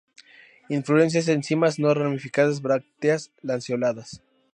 Inflorescencias en cimas no ramificadas; brácteas lanceoladas.